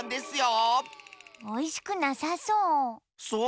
おいしくなさそう。